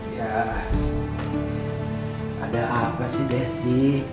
ya ada apa sih desy